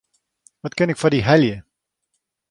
Wat kin ik foar dy helje?